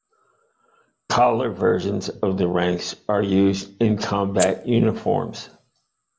Collar versions of the ranks are used in combat uniforms.